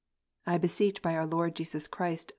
I beseech by our Lord Jesus Christ Ps.